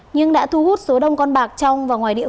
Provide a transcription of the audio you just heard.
nhưng đã thu hút số đông con bạc trong và ngoài đường